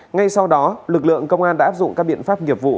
ngay sau đó lực lượng công an đã áp dụng các biện pháp nghiệp vụ